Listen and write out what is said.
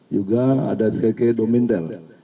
juga ada ck domindel